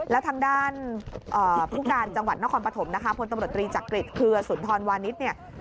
แล้วทางด้านผู้การจังหวัดนครปฐมนะคะพลตำรวจตรีจักริจเครือสุนทรวานิสเนี่ย